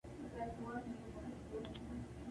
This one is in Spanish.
Juega en la posición de mediocampista.